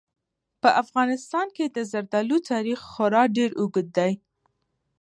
په افغانستان کې د زردالو تاریخ خورا ډېر اوږد دی.